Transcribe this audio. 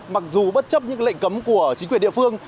mặc dù bất chấp những lệnh cấm của chính quyền địa phương